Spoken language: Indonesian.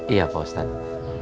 iya pak ustadz